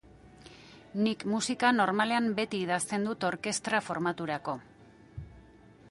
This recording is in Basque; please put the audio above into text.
Nik musika normalean beti idazten dut orkestra formaturako.